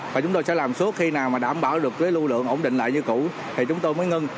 và chúng tôi sẽ làm suốt khi nào mà đảm bảo được cái lưu lượng ổn định lại như cũ thì chúng tôi mới ngưng